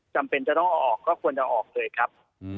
จำเป็นจะต้องเอาออกก็ควรจะออกเลยครับ